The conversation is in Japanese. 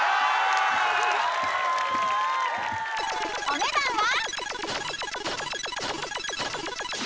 ［お値段は？］